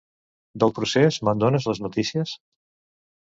Del Procés me'n dones les notícies?